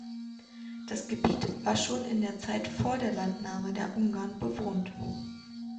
Das Gebiet war schon in der Zeit vor der Landnahme der Ungarn bewohnt.